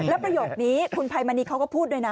แล้วประโยคนี้คุณภัยมณีเขาก็พูดด้วยนะ